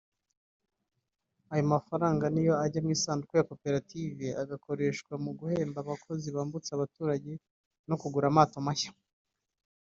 Ayo mafaranga niyo ajya mu isanduku ya koperative agakoreshwa mu guhemba abakozi bambutsa abaturage no kugura amato mashya